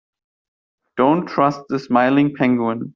Don't trust the smiling penguin.